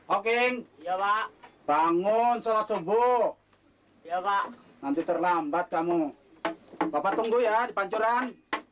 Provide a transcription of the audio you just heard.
oke bangun salat subuh ya pak nanti terlambat kamu bapak tunggu ya dipancuran